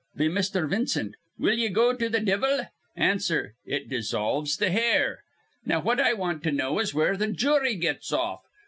Be Misther Vincent: 'Will ye go to th' divvle?' Answer: 'It dissolves th' hair.' "Now what I want to know is where th' jury gets off.